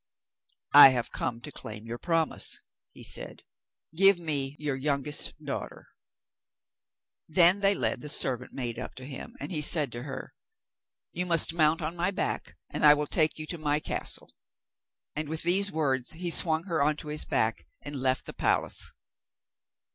'I have come to claim your promise,' he said. 'Give me your youngest daughter.' Then they led the servant maid up to him, and he said to her: 'You must mount on my back, and I will take you to my castle.' And with these words he swung her on to his back and left the palace.